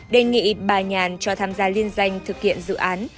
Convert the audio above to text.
đề nghị bà nhàn cho tham gia liên danh thực hiện dự án